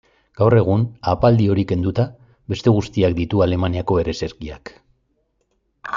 Gaur egun, ahapaldi hori kenduta, beste guztiak ditu Alemaniako ereserkiak.